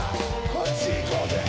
こっちいこうぜ。